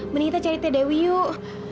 mending kita cari teh dewi yuk